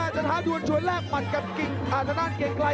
จะท้าดวนชวนแรกมันกับกิ่งอาธานาธิ์เกรงไกร